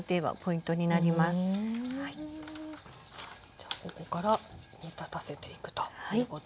じゃあここから煮立たせていくということですね。